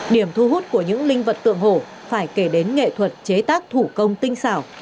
điểm thu hút của những linh vật tượng hồ phải kể đến nghệ thuật chế tác thủ công tinh xảo